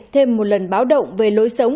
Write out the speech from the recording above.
thêm một lần báo động về lối sống